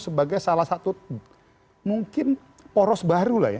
sebagai salah satu mungkin poros baru lah ya